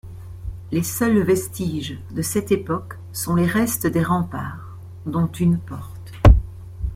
Les seuls vestiges de cette époque sont les restes des remparts dont une porte.